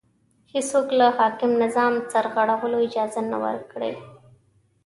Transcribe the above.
هېڅوک له حاکم نظام سرغړولو اجازه نه ورکړي